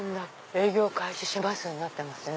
「営業開始します」になってますね。